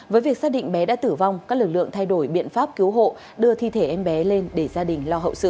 với việc xác định bé đã tử vong các lực lượng thay đổi biện pháp cứu hộ đưa thi thể em bé lên để gia đình lo hậu sự